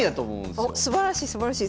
おっすばらしいすばらしい。